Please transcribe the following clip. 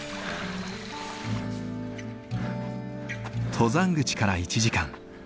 登山口から１時間。